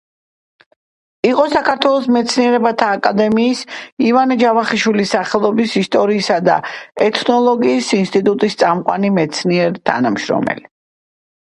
იყო საქართველოს მეცნიერებათა აკადემიის ივანე ჯავახიშვილის სახელობის ისტორიისა და ეთნოლოგიის ინსტიტუტის წამყვანი მეცნიერი თანამშრომელი.